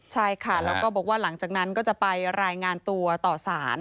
ใช่ค่ะแล้วก็บอกว่าหลังจากนั้นก็จะไปรายงานตัวต่อสาร